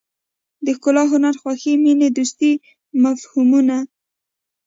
د ښکلا هنر خوښۍ مینې دوستۍ مفهومونه.